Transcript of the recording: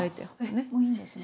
あえっもういいんですね。